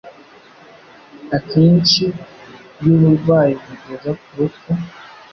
akenshi yu burwayi bugeza ku rupfu.